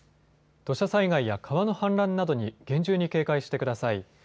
土砂災害や川の氾濫などに厳重に警戒してください。